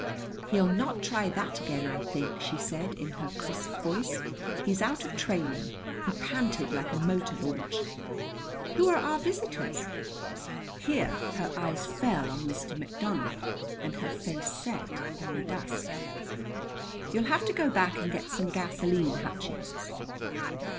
"He'll not try that again, I think," she said in her crisp voice. "He's out of training. He panted like a motor launch. Who are our visitors?" Here her eyes fell on Mr. McDonald and her face set in the dusk. "You'll have to go back and get some gasoline, Hutchins."